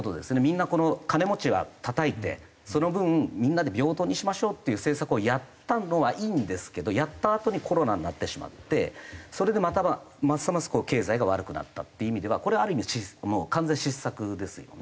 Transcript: みんな金持ちはたたいてその分みんなで平等にしましょうっていう政策をやったのはいいんですけどやったあとにコロナになってしまってそれでまたますます経済が悪くなったって意味ではこれはある意味もう完全に失策ですよね。